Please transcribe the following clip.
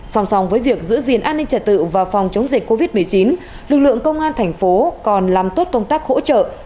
song song với việc giữ gìn an ninh trật tự và phòng chống dịch covid một mươi chín lực lượng công an thành phố còn làm tốt công tác hỗ trợ